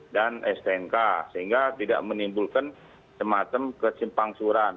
dan stnk sehingga tidak menimbulkan semacam kesimpangsuran